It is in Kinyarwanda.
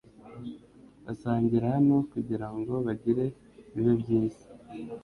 Basangira hano kugirango bagire bibe byiza